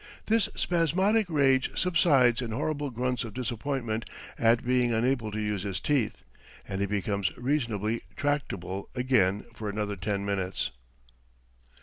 This spasmodic rage subsides in horrible grunts of disappointment at being unable to use his teeth, and he becomes reasonably tractable again for another ten minutes.